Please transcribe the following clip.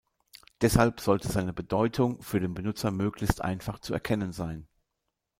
Deshalb sollte seine Bedeutung für den Benutzer möglichst einfach zu erkennen sein.